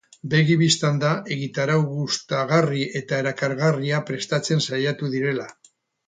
Begi bistan da egitarau gustagarri eta erakargarria prestatzen saiatu direla.